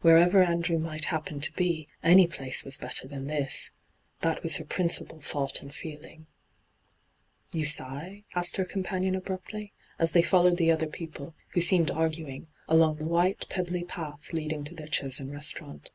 Wherever Andrew might happen to be, any place was better than this 1 That was her principal thought and feeling. hyGoo>^lc ENTRAPPED 193 ' You sigh V asked her companion abruptly, as they followed the other couple, who seemed arguing, along the white, pebbly path leading to their chosen restaurant.